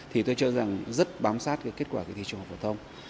thì tôi cho rằng rất bám sát kết quả kỳ thi trung học phổ thông